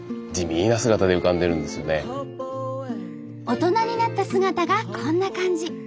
大人になった姿がこんな感じ。